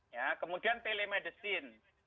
ya kemudian telemedicine